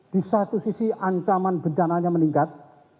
di satu sisi ancaman bencananya meningkat